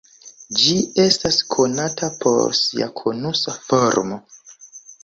Ĝi estas konata por sia konusa formo.